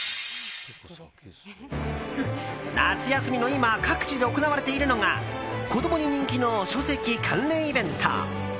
夏休みの今各地で行われているのが子供に人気の書籍関連イベント。